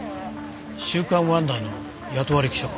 『週刊ワンダー』の雇われ記者か。